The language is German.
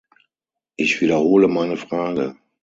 Ich wiederhole meine Frage.